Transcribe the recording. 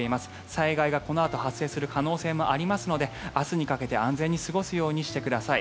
災害がこのあと発生する可能性もありますので明日にかけて安全に過ごすようにしてください。